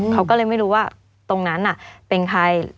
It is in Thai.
เขาก็เลยไม่รู้ว่าตรงนั้นเป็นใคร